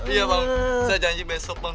iya bang bisa janji besok bang